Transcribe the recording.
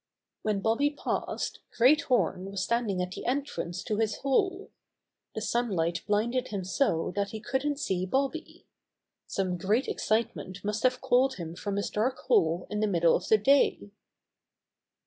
When Bobby passed, Great Horn was stand ing at the entrance to his hole. The sunlight blinded him so that he couldn't see Bobby, Some great excitement must have called him from his dark hole in the middle of the day.